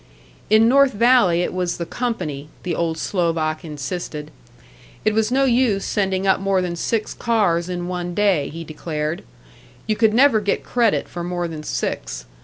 In North Valley it was the company, the old Slovak insisted. It was no use sending up more than six cars in one day, he declared; you could never get credit for more than six.